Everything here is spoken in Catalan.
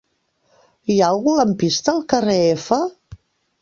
Hi ha algun lampista al carrer F?